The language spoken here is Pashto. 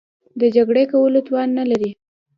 د جګړې کولو توان نه لري.